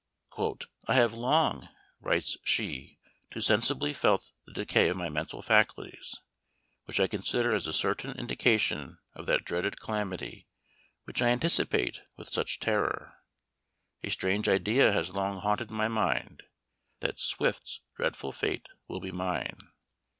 "I have long," writes she, "too sensibly felt the decay of my mental faculties, which I consider as the certain indication of that dreaded calamity which I anticipate with such terror. A strange idea has long haunted my mind, that Swift's dreadful fate will be mine.